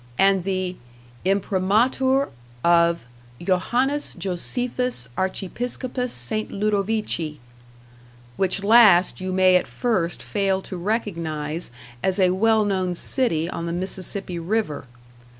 and the "Imprimatur" of "Johannes Josephus, Archiepiscopus Sti. Ludovici" which last you may at first fail to recognize as a well known city on the Mississippi River.